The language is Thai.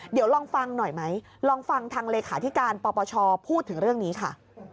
เดี๋ยวลองฟังหน่อยไหมลองฟังทางเลขาธิการปปชพูดถึงเรื่องนี้ค่ะ